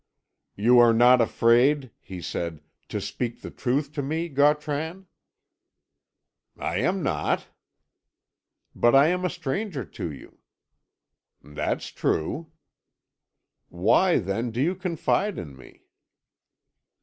"You are not afraid," he said, "to speak the truth to me, Gautran?" "I am not." "But I am a stranger to you." "That's true." "Why, then, do you confide in me?"